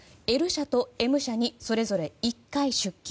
Ｌ社とＭ社にそれぞれ１回出金。